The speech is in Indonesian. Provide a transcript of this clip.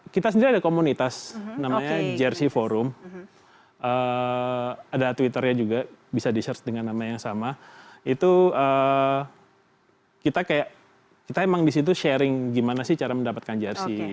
kita sendiri ada komunitas namanya jersey forum ada twitternya juga bisa de search dengan nama yang sama itu kita kayak kita emang disitu sharing gimana sih cara mendapatkan jersey